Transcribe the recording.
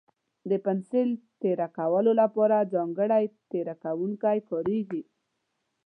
د پنسل تېره کولو لپاره ځانګړی تېره کوونکی کارېږي.